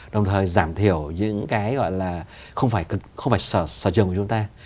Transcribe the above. đồng thời giảm thiểu những cái gọi là không phải sở trường của chúng ta